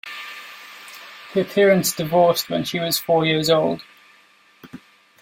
Her parents divorced when she was four years old.